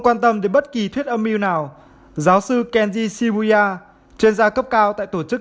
quan tâm đến bất kỳ thuyết âm mưu nào giáo sư kenji shibuia chuyên gia cấp cao tại tổ chức